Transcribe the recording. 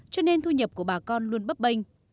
cho nên thu nhập của bà con luôn bấp bênh